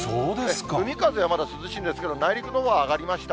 海風はまだ涼しいんですけど、内陸のほうは上がりました。